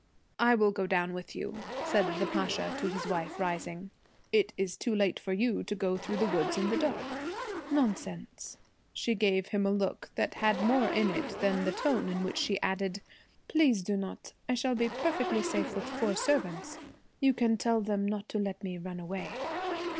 'I will go down with you,' said the Pasha to his wife, rising. 'It is too late for you to go through the woods in the dark.' 'Nonsense!' She gave him a look that had more in it than the tone in which she added, 'Please do not. I shall be perfectly safe with four servants. You can tell them not to let me run away.'